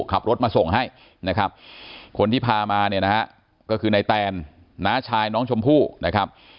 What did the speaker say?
ขับรถมาส่งให้นะครับคนที่พามาเนี่ยนะฮะก็คือในแตนน้าชายน้องชมพู่นะครับ